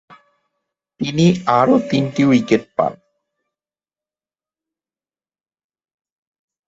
তিনি আরও তিন উইকেট পান।